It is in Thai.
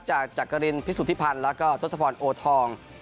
จากจักรินพิสุธิพันธ์แล้วก็ทศพรโอทอง